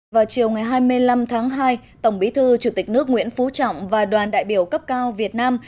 vào chiều ngày hai mươi năm tháng hai tổng bí thư chủ tịch nước nguyễn phú trọng và đoàn đại biểu cấp cao việt nam